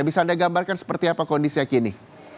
bisa anda gambarkan seperti apa kondisinya kini